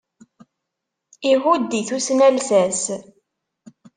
Ihud i tusna lsas.